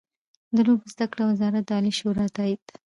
د لوړو زده کړو وزارت د عالي شورا تائید